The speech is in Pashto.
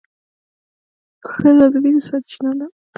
ښځه د مینې سرچینه ده.